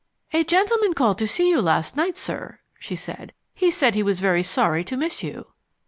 "A gentleman called to see you last night, sir," she said. "He said he was very sorry to miss you."